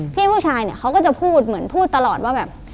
พี่ผู้ชายเนี่ยเขาก็จะพูดเหมือนพูดตลอดว่าแบบ